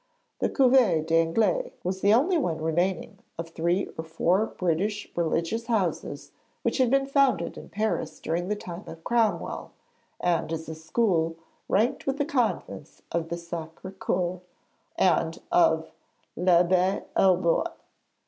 The Couvent des Anglaises was the only remaining one of three or four British religious houses which had been founded in Paris during the time of Cromwell, and as a school, ranked with the convents of the Sacré Coeur and of l'Abbaye aux Bois.